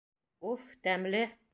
Уф, тәмле!